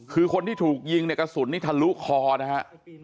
คือคนที่ถูกยิงเนี่ยกระสุนนี้ทะลุคอนะฮะ